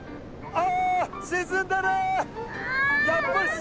あ！